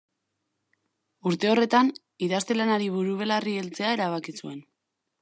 Urte horretan, idazte-lanari buru-belarri heltzea erabaki zuen.